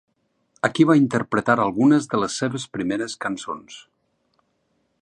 Aquí va interpretar algunes de les seves primeres cançons.